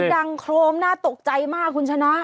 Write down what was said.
ดังโครมน่าตกใจมากคุณชนะ